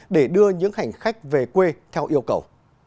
để đưa những hành khách về quê theo yêu cầu